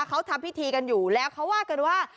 เขาทำพิธีกันอยู่แล้วเขาว่ากันว่า